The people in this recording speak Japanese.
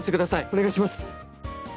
お願いします。